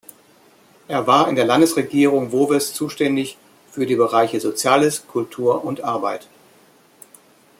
Er war in der Landesregierung Voves zuständig für die Bereiche Soziales, Kultur und Arbeit.